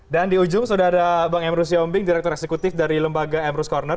dan di ujung sudah ada bang emruz siyoombing direktur eksekutif dari lembaga emruz corner